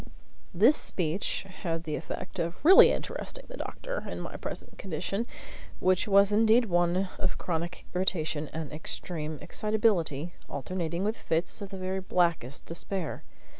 This speech had the effect of really interesting the doctor in my present condition, which was indeed one of chronic irritation and extreme excitability, alternating with fits of the very blackest despair.